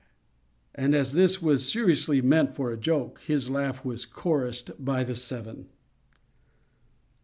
and as this was seriously meant for a joke, his laugh was chorused by the seven.